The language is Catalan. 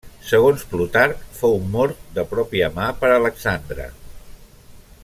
Segons Plutarc fou mort de pròpia mà per Alexandre.